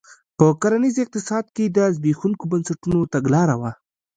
په کرنیز اقتصاد کې د زبېښونکو بنسټونو تګلاره وه.